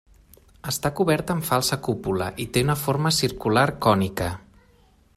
Està coberta amb falsa cúpula i té una forma circular cònica.